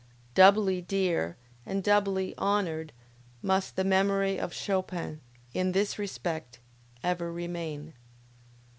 Doubly dear and doubly honored must the memory of Chopin, in this respect, ever remain!